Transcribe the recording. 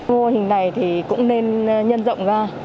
mô hình này thì cũng nên nhân rộng ra